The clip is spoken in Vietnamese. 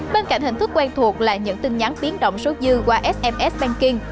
bên cạnh hình thức quen thuộc là những tin nhắn biến động số dư qua sms banking